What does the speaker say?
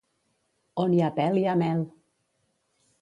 On hi ha pèl hi ha mel.